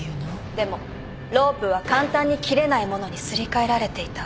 でもロープは簡単に切れない物にすり替えられていた。